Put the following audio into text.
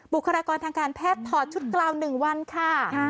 บุคลากรทางการแพทย์ถอดชุดกล่าว๑วันค่ะ